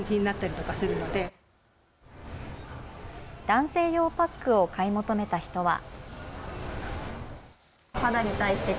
男性用パックを買い求めた人は。